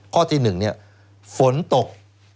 ข้อที่๑เนี่ยฝนตก